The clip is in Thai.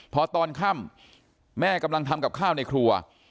พอตอนค่ำแม่กำลังทำกับข้าวในครัว